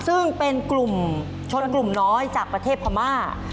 ซึ่งเป็นกลุ่มชนกลุ่มน้อยจากประเทศพม่า